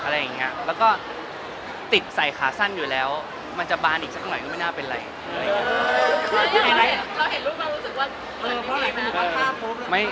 แล้วก็ติดใส่ขาสั้นอยู่แล้วมันจะบานอีกสักหน่อยก็ไม่น่าเป็นอะไร